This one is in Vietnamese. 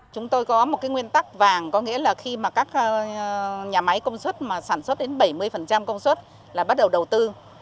chúng tôi có một nguyên tắc vàng có nghĩa là khi các nhà máy công suất sản xuất đến bảy mươi công suất là bắt đầu đầu tư